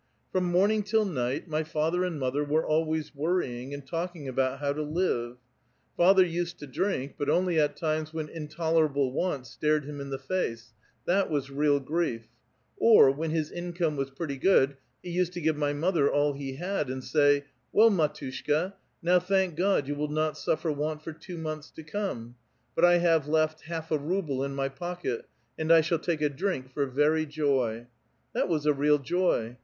From morning till night my father and mother were always worrying and talking about how to live. Father used to drink, but only at times when intolera ble want stared him in the face — that was real grief; or, when his income was pretty good, he used to give my mother all he had, and say, ' Well, mdtvshka, now thank God, you will not suffer want for two months to come ; but I have left half a ruble in my pocket, and I shall take a drink for very joy '— that was a real joy.